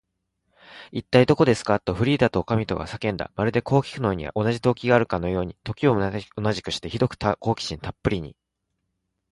「いったい、どこですか？」と、フリーダとおかみとが叫んだ。まるで、こうきくのには同じ動機があるかのように、時を同じくして、ひどく好奇心たっぷりな